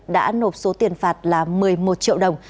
đã nộp số tiền phạt là một mươi một triệu đồng